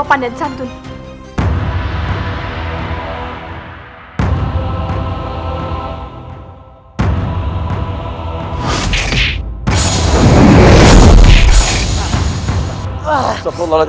masanya kamu menggunakan manusia berempat